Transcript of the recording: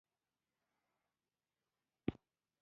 سرحدونه د افغانستان د ناحیو ترمنځ تفاوتونه رامنځ ته کوي.